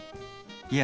いや。